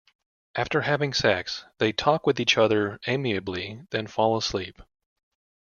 After having sex, they talk with each other amiably, then fall asleep.